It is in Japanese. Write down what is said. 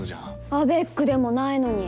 アベックでもないのに。